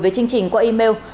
với chương trình qua email